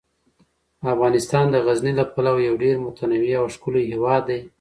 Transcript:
افغانستان د غزني له پلوه یو ډیر متنوع او ښکلی هیواد دی.